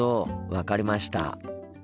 分かりました。